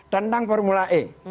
tentang formula e